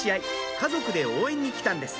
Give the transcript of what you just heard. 家族で応援に来たんです